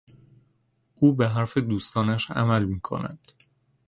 او به حرف دوستانش عمل میکند.